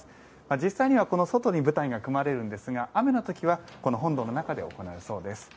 実際にはこの外に舞台が組まれるんですが雨の時はこの本堂の中で行われるそうです。